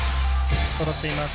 そろっています。